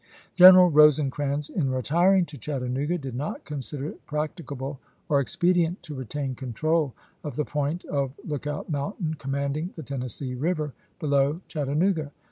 General Rosecrans in retiring to Chattanooga did not consider it practicable or expedient to retain control of the point of Lookout Mountain commanding the Tennessee Eiver below Chatta nooga.